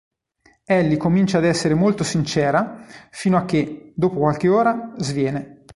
Ellie comincia ad essere "molto sincera" fino a che, dopo qualche ora, sviene.